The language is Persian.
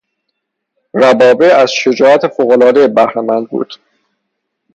ربابه از شجاعت فوق العادهای بهرهمند بود.